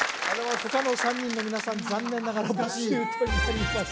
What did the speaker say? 他の３人の皆さん残念ながらボッシュートになります